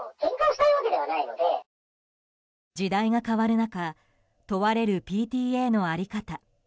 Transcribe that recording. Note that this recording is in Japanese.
時代が変わる中問われるＰＴＡの在り方。